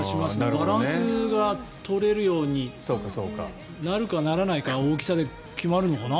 バランスが取れるようになるか、ならないかは大きさで決まるのかな。